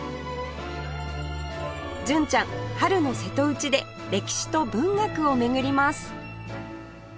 純ちゃん春の瀬戸内で歴史と文学を巡ります